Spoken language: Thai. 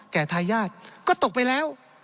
ทายาทก็ตกไปแล้ว